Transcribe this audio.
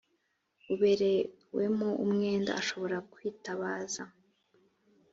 uberewemo umwenda ashobora kwitabaza